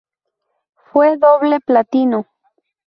Fue doble platino.